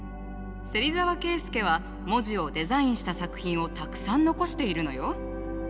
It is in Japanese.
芹沢介は文字をデザインした作品をたくさん残しているのよ。